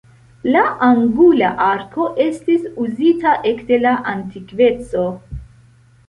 La angula arko estis uzita ekde la antikveco.